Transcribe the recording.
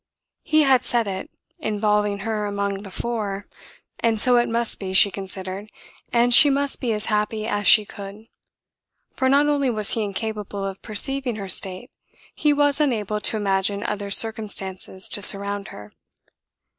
He had said it, involving her among the four; and so it must be, she considered, and she must be as happy as she could; for not only was he incapable of perceiving her state, he was unable to imagine other circumstances to surround her.